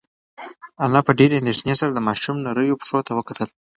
انا په ډېرې اندېښنې سره د ماشوم نریو پښو ته وکتل.